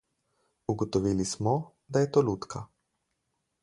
Ugotovili smo, da je to lutka.